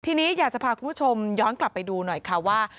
ทีนี้อยากจะพาคุณผู้ชมย้อนกลับไปดูหน่อยค่ะว่า